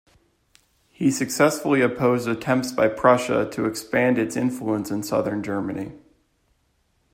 He successfully opposed attempts by Prussia to expand its influence in southern Germany.